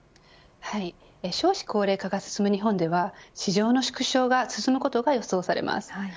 少子高齢化が進む日本では市場の縮小が進むことが予想されます。